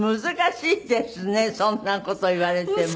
そんな事言われても。